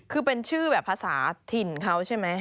คือเป็นชื่อแบบภาษาถิ่นเขาใช่ไหม